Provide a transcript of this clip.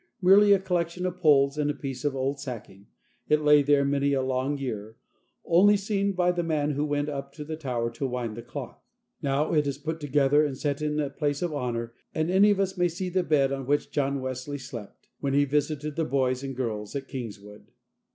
Merely a collection of poles and a piece of old sacking, it lay there many a long year, only seen by the man who went up the tower to wind the clock. Now it is put together, and set in a place of honour; and any of us may see the bed on which John Wesley slept, when he visited the boys and girls at Kingswood.